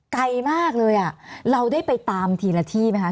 ไกลมากเลยอ่ะเราได้ไปตามทีละที่ไหมคะ